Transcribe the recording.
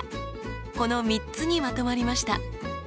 この３つにまとまりました。